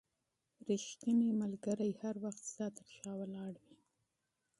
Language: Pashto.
رښتينی ملګري هميشه ستا تر شا ولاړ وي.